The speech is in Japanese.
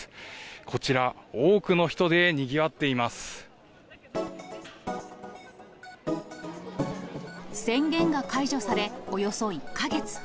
こちら、多くの人でにぎわってい宣言が解除され、およそ１か月。